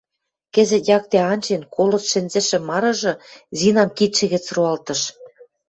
Кӹзӹт якте анжен, колышт шӹнзӹшӹ марыжы Зинам кидшӹ гӹц роалтыш.